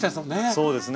そうですね。